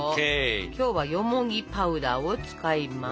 今日はよもぎパウダーを使います。